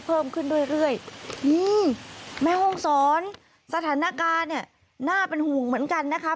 เพิ่มขึ้นเรื่อยเรื่อยนี่แม่ห้องศรสถานการณ์เนี่ยน่าเป็นห่วงเหมือนกันนะคะ